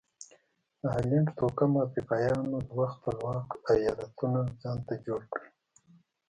د هالنډ توکمه افریقایانو دوه خپلواک ایالتونه ځانته جوړ کړل.